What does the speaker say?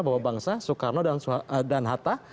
bahwa bangsa soekarno dan hatta